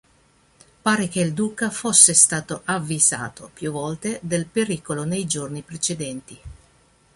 Pare che il duca fosse stato avvisato più volte del pericolo nei giorni precedenti.